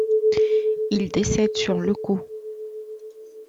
Il décède sur le coup.